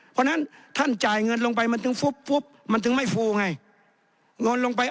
เพราะฉะนั้นท่านจ่ายเงินลงไปมันถึงไม่ฟูไง